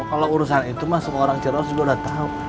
kalau urusan itu masuk orang ceros juga udah tahu